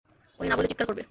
উনি না বলে চিৎকার করবে!